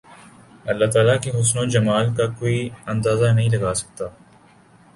اللہ تعالی کے حسن و جمال کا کوئی اندازہ نہیں لگا سکت